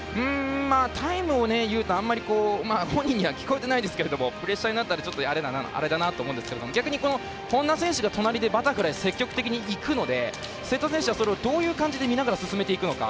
タイムをいうとあんまり本人には聞こえていないんですがプレッシャーになったらあれだなと思うんですけど逆に本多選手が隣でバタフライ積極的にいくので、瀬戸選手はどういう感じで、それを見ながら進めていくのか。